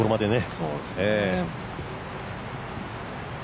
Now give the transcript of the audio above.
そうですね。